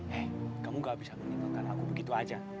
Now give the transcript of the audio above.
hei kamu gak bisa menghitungkan aku begitu aja